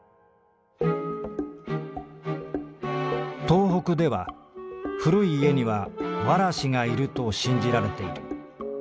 「東北では古い家には童子がいると信じられている。